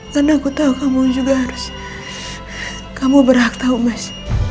karena aku tahu kamu juga harus kamu berhak tahu mas